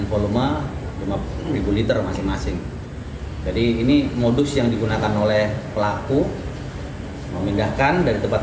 volume lima puluh liter masing masing jadi ini modus yang digunakan oleh pelaku memindahkan dari tempat